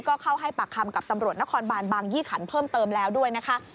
ก็เข้าให้ปากคำกับตำรวจนครบานบางยี่ขันเพิ่มเติมแล้วด้วยนะคะ